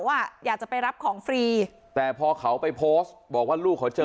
ว่าอยากจะไปรับของฟรีแต่พอเขาไปโพสต์บอกว่าลูกเขาเจอ